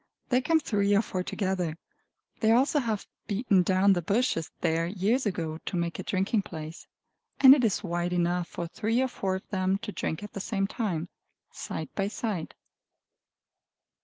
They come three or four together. They also have beaten down the bushes there years ago, to make a drinking place; and it is wide enough for three or four of them to drink at the same time, side by side.